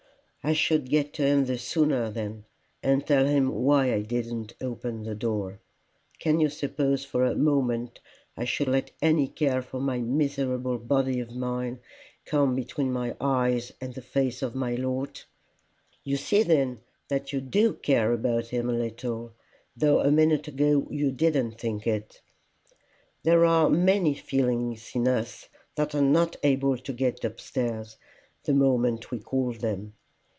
I should get to him the sooner then, and tell him why I didn't open the door. Can you suppose for a moment I should let any care for this miserable body of mine come between my eyes and the face of my Lord?" "You see then that you do care about him a little, though a minute ago you didn't think it! There are many feelings in us that are not able to get up stairs the moment we call them.